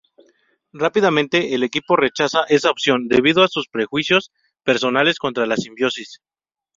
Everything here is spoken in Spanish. Rápidamente el equipo rechaza esa opción, debido a sus prejuicios personales contra la simbiosis.